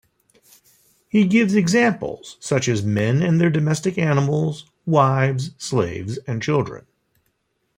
He gives examples such as men and their domestic animals, wives, slaves, and children.